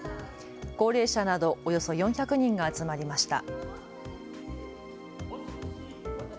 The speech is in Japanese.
高齢者などおよそ４００人が集まりました。